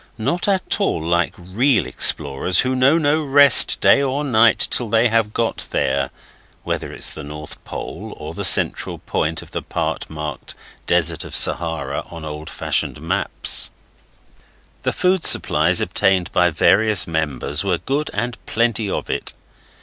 Not at all like real explorers, who know no rest, day or night, till they have got there (whether it's the North Pole, or the central point of the part marked 'Desert of Sahara' on old fashioned maps). The food supplies obtained by various members were good and plenty of it.